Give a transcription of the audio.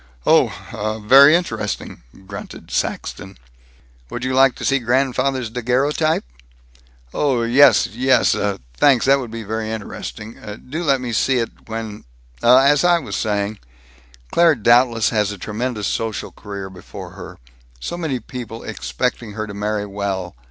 "Oh! Very interesting," grunted Saxton. "Would you like to see grandfather's daguerreotype?" "Oh, yes, yes, uh, thanks, that would be very interesting Do let me see it, when Uh, as I was saying, Claire doubtless has a tremendous social career before her. So many people expecting her to marry well.